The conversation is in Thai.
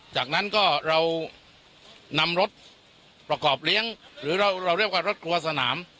จากนั้นก็เรานำรถประกอบเลี้ยงหรือเราเรียกว่ารถครัวสนาม